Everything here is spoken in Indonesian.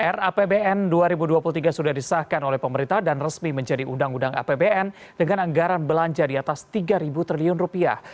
rapbn dua ribu dua puluh tiga sudah disahkan oleh pemerintah dan resmi menjadi undang undang apbn dengan anggaran belanja di atas tiga triliun rupiah